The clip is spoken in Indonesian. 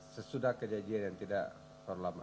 sesudah kejadian yang tidak terlalu lama